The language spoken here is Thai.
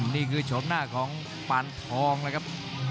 นี่คือชมหน้าของปานทองแล้วครับ